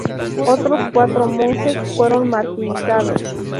Otros cuatro monjes fueron martirizados.